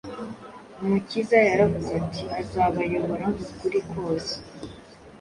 Umukiza yaravuze ati: “Azabayobora mu kuri kose.”